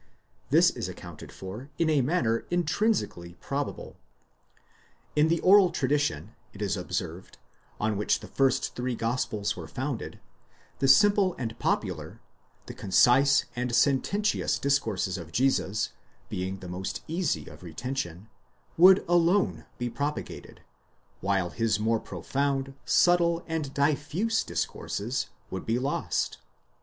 This is accounted for in a manner intrinsically probable. In the oral tradition, it is observed, on which the first three gospels were founded, the simple and popular, the concise and sententious discourses of Jesus, being the most easy of retention, would alone be propagated, while his more profound, subtle and diffuse dis courses would be lost.!